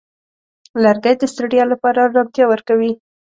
لرګی د ستړیا لپاره آرامتیا ورکوي.